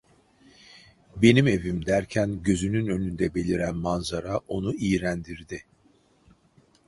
Benim evim derken gözünün önünde beliren manzara onu iğrendirdi.